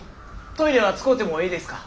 トイレは使うてもええですか？